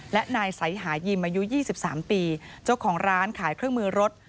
และนายสายหายิมอายุ๒๓ปีเจ้าของร้านขายเครื่องมือรถ